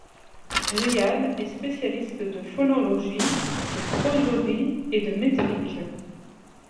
Riad est spécialiste de phonologie, de prosodie et de métrique.